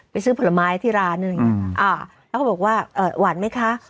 ไปซื้อผลไม้ที่ร้านแล้วก็บอกว่าหวานไหมคะ